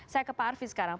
saya ke pak arfi sekarang